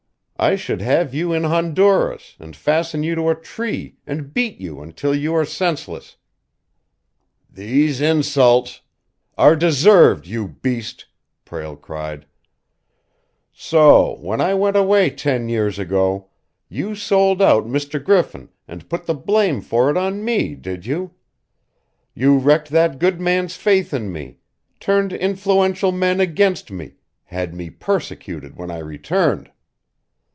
I should have you in Honduras, and fasten you to a tree and beat you until you are senseless." "These insults " "Are deserved, you beast!" Prale cried. "So, when I went away ten years ago, you sold out Mr. Griffin and put the blame for it on me, did you? You wrecked that good man's faith in me, turned influential men against me, had me persecuted when I returned."